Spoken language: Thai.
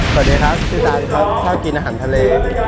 สวัสดีครับชื่อตานเขาชอบกินอาหารทะเล